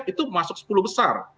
itu menduduki sepuluh besar